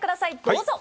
どうぞ。